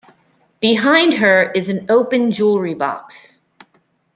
Behind her is an open jewelry box.